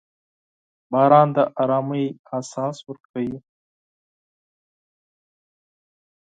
• باران د ارامۍ احساس ورکوي.